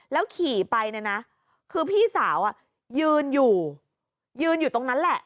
ขี่ไปเนี่ยนะคือพี่สาวยืนอยู่ยืนอยู่ตรงนั้นแหละ